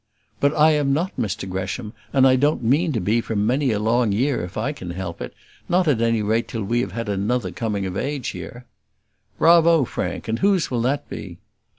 "But I am not Mr Gresham; and I don't mean to be for many a long year if I can help it; not at any rate till we have had another coming of age here." "Bravo, Frank; and whose will that be?"